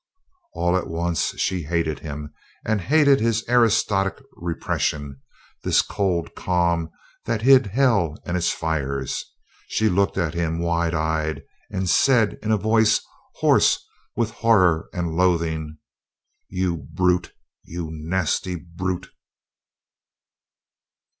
All at once she hated him and hated his aristocratic repression; this cold calm that hid hell and its fires. She looked at him, wide eyed, and said in a voice hoarse with horror and loathing: "You brute! You nasty brute!"